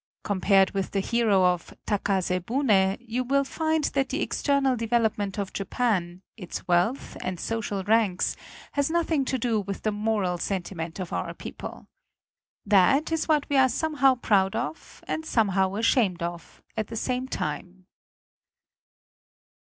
Compared with the hero of "Takase Bune," you will find that the external development of Japan, its wealth and social ranks, has nothing to do with the moral sen timent of our people. That is what we are somehow proud of, and somehow ashamed of, at the same time.